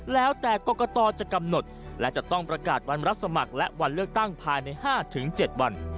แล้วแต่กรกตจะกำหนดและจะต้องประกาศวันรับสมัครและวันเลือกตั้งภายใน๕๗วัน